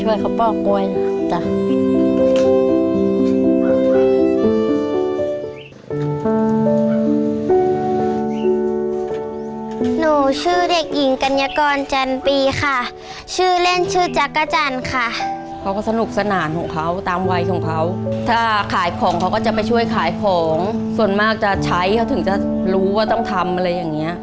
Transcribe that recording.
หนูชื่อเด็กหญิงกัญญากรจันปีค่ะชื่อเล่นชื่อจักรจันทร์ค่ะเขาก็สนุกสนานของเขาตามวัยของเขาถ้าขายของเขาก็จะไปช่วยขายของส่วนมากจะใช้เขาถึงจะรู้ว่าต้องทำอะไรอย่างเงี้ย